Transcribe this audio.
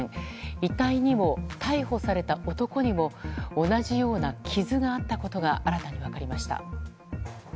遺体にも、逮捕された男にも同じような傷があったことが新たに分かりました。